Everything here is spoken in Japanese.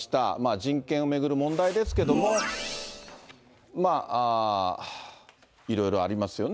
人権を巡る問題ですけれども、いろいろありますよね。